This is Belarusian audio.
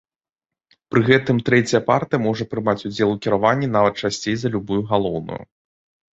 Пры гэтым трэцяя партыя можа прымаць удзел у кіраванні нават часцей за любую галоўную.